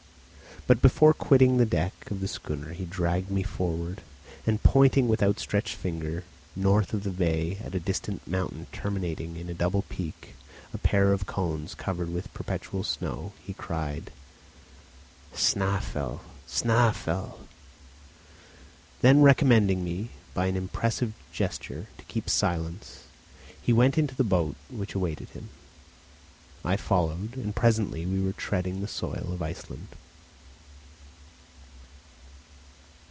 But before quitting the deck of the schooner he dragged me forward, and pointing with outstretched finger north of the bay at a distant mountain terminating in a double peak, a pair of cones covered with perpetual snow, he cried: "Snæfell! Snæfell!" Then recommending me, by an impressive gesture, to keep silence, he went into the boat which awaited him. I followed, and presently we were treading the soil of Iceland.